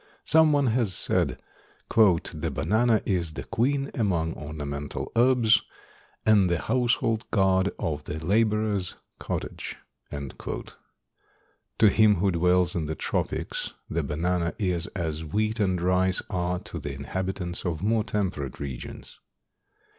Some one has said, "The banana is the queen among ornamental herbs, and the household god of the laborer's cottage." To him who dwells in the tropics the banana is as wheat and rice are to the inhabitants of more temperate regions.